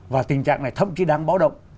và tình trạng này thậm chí đáng báo động